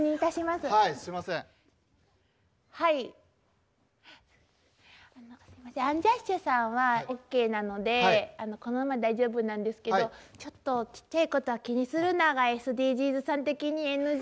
すいませんアンジャッシュさんはオーケーなのでこのままで大丈夫なんですけどちょっと「ちっちゃい事は気にするな」がＳＤＧｓさん的にＮＧ。